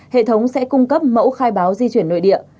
hệ thống sẽ cung cấp mẫu khai báo di chuyển nội địa